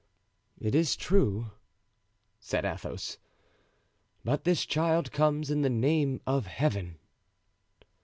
"It is true," said Athos, "but this child comes in the name of Heaven."